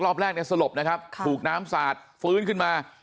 รอบแรกเนี่ยสลบนะครับถูกน้ำสาดฟื้นขึ้นมา